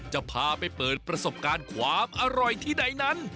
จะพาไปเปิดประสบการณ์ความอร่อยที่ใดนั้น